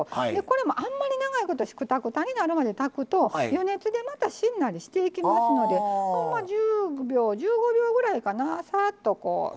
これもあんまり長いことくたくたになるまで炊くと余熱でまたしんなりしていきますので１０秒１５秒ぐらいかなさっとこんなもんで大丈夫です。